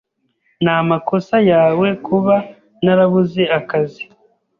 Ni amakosa yawe kuba narabuze akazi.